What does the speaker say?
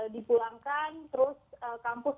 dipulangkan terus kampus